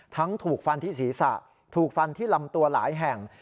ถูกฟันที่ศีรษะถูกฟันที่ลำตัวหลายแห่ง